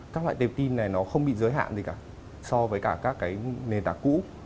các loại tệp tin này nó không bị giới hạn gì cả so với cả các cái nền tảng cũ